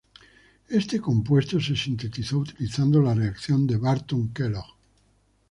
Este compuesto se sintetizó utilizando la reacción de Barton-Kellogg.